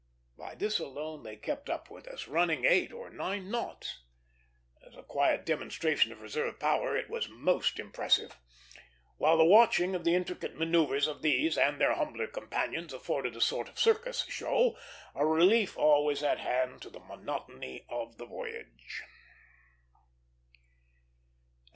By this alone they kept up with us, running eight or nine knots. As a quiet demonstration of reserve power it was most impressive; while the watching of the intricate manoeuvres of these and their humbler companions afforded a sort of circus show, a relief always at hand to the monotony of the voyage.